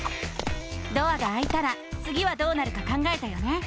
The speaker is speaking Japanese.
ドアがあいたらつぎはどうなるか考えたよね？